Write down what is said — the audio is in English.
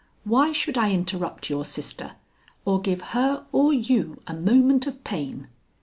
Why should I interrupt your sister or give her or you a moment of pain?"